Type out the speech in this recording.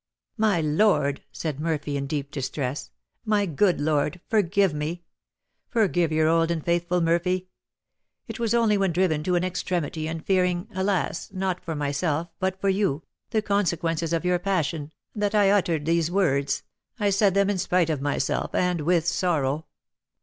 "My lord," said Murphy, in deep distress, "my good lord, forgive me! Forgive your old and faithful Murphy. It was only when driven to an extremity, and fearing, alas! not for myself, but for you, the consequences of your passion, that I uttered those words. I said them in spite of myself, and with sorrow.